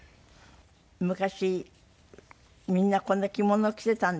昔みんなこんな着物を着てたんですね。